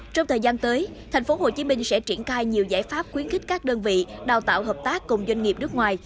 trong thời gian tới tp hcm sẽ triển khai nhiều giải pháp khuyến khích các đơn vị đào tạo hợp tác cùng doanh nghiệp nước ngoài